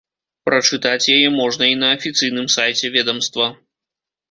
Прачытаць яе можна і на афіцыйным сайце ведамства.